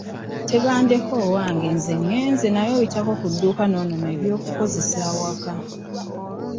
Tebandeke owange nze ngenze naye oyitako ku dduuka n’onona eby’okukozesa awaka.